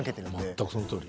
全くそのとおり。